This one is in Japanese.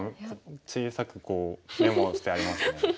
小さくメモをしてありますね。